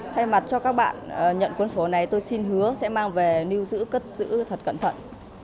thay mặt cho các bạn nhận quần sổ này tôi xin hứa sẽ mang về nưu giữ cất giữ thật cẩn thận